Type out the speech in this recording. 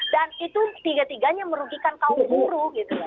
dan itu tiga tiganya merugikan kaum buruh gitu